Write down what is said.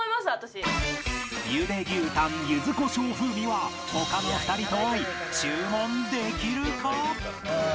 茹で牛タン柚子胡椒風味は他の２人と合い注文できるか？